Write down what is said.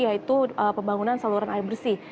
yaitu pembangunan saluran air bersih